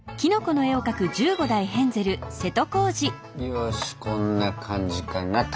よしこんな感じかなと。